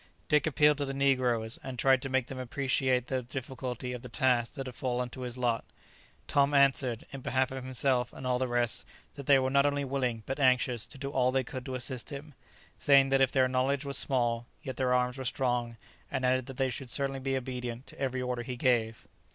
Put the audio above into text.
Dick appealed to the negroes, and tried to make them appreciate the difficulty of the task that had fallen to his lot. Tom answered, in behalf of himself and all the rest, that they were not only willing, but anxious, to do all they could to assist him, saying that if their knowledge was small, yet their arms were strong, and added that they should certainly be obedient to every order he gave.